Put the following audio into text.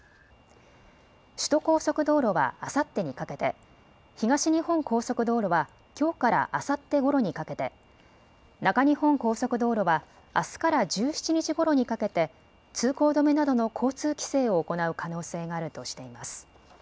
首都高速道路はあさってにかけて、東日本高速道路はきょうからあさってごろにかけて、中日本高速道路はあすから１７日ごろにかけて通行止めなどの交通規制を行う可能性があるとしています。